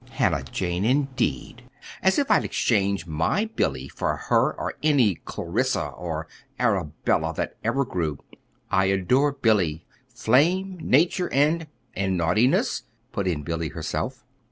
"'Hannah Jane,' indeed! As if I'd exchange my Billy for her or any Clarissa or Arabella that ever grew! I adore Billy flame, nature, and " "And naughtiness?" put in Billy herself.